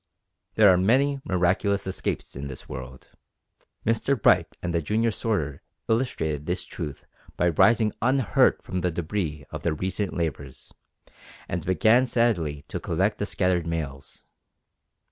There are many miraculous escapes in this world. Mr Bright and the junior sorter illustrated this truth by rising unhurt from the debris of their recent labours, and began sadly to collect the scattered mails.